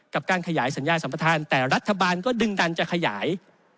กับการขยายสัญญาสัมประธานแต่รัฐบาลก็ดึงดันจะขยาย